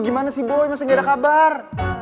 gimana sih boy masih ada kabar